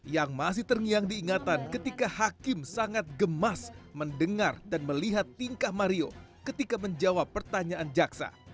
yang masih terngiang diingatan ketika hakim sangat gemas mendengar dan melihat tingkah mario ketika menjawab pertanyaan jaksa